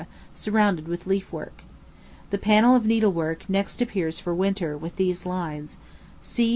surrounded with leaf work. The panel of needlework next appears for Winter, with these lines: "See!